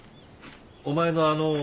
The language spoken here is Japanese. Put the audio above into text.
お前のあのう。